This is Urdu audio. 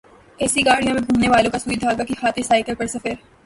اے سی گاڑیوں میں گھومنے والوں کا سوئی دھاگا کی خاطر سائیکل پر سفر